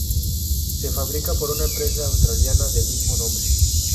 Se fabrica por una empresa australiana del mismo nombre.